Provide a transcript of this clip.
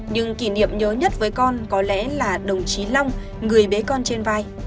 nhưng kỷ niệm nhớ nhất với con có lẽ là đồng chí long người bé con trên vai